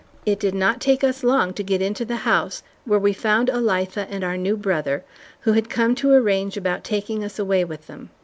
It did not take us long to get into the house where we found Elitha and our new brother, who had come to arrange about taking us away with them.